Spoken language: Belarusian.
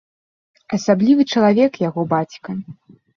Асаблівы чалавек яго бацька.